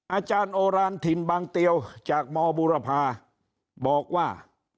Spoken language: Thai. อาจารย์โอรานถิ่นบางเตียวจากมบุรพาบอกว่า